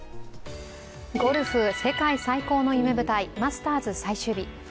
ゴルフ、世界最高の夢舞台、マスターズ最終日。